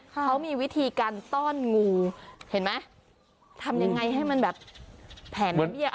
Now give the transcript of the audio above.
เขามีวิธีการต้อนงูเห็นไหมทำยังไงให้มันแบบแผนเบี้ย